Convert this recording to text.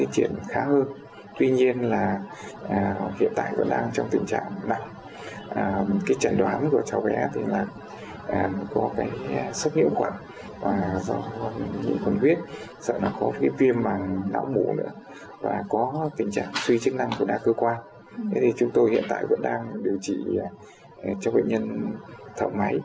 chúng tôi hiện tại vẫn đang điều trị cho bệnh nhân thọng máy